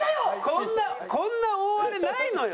こんなこんな大荒れないのよ。